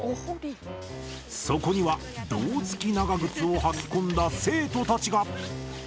そこには胴付き長靴を履き込んだ生徒たちが！